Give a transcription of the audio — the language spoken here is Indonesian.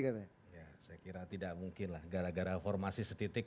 saya kira tidak mungkin lah gara gara formasi setitik